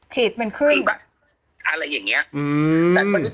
ผิดเป็นครึ่งคือแบบอะไรอย่างนี้